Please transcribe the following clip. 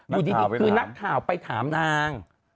อยู่ดีคือนักข่าวไปถามนาง